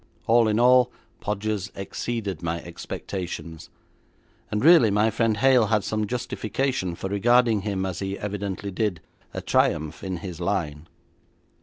All in all, Podgers exceeded my expectations, and really my friend Hale had some justification for regarding him, as he evidently did, a triumph in his line.